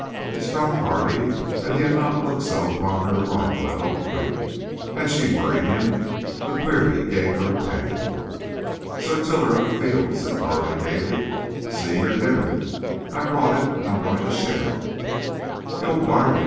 It struck Carley that he had not looked so upon her arrival at Oak Creek. Had she worried him? The query gave her a pang. "Sir Tiller of the Fields," said Carley, gayly, "see, your dinner! I brought it and I am going to share it." "You old darling!"